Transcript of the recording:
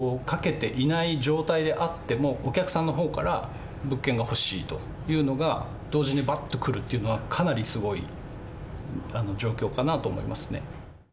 空前の円安で、特にこちらからプッシュ型で営業をかけていない状態であっても、お客さんのほうから物件が欲しいというのが、同時にばっと来るっていうのは、かなりすごい状況かなと思いますね。